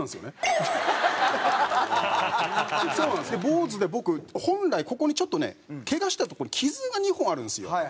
坊主で僕本来ここにちょっとねけがしたとこに傷が２本あるんですよ。